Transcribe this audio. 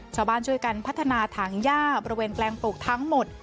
ชาวบ้านช่วยกันพัฒนาถังย่าบริเวณแปลงปลูกทั้งหมด